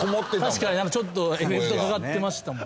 確かに何かちょっとエフェクトかかってましたもん。